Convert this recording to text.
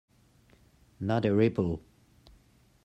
Not a ripple.